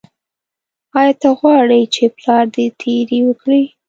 ایا ته غواړې چې پلار دې تیری وکړي.